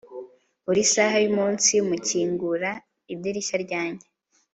buri saha yumunsi, mukingura idirishya ryanjye